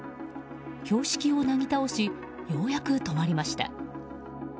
標識をなぎ倒しようやく止まりました。